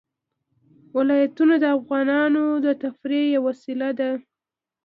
ولایتونه د افغانانو د تفریح یوه وسیله ده.